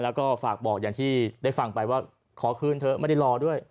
แล้วก็ฝากบอกอย่างที่ได้ฟังไปว่าขอคืนเถอะไม่ได้รอด้วย